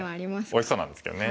おいしそうなんですけどね。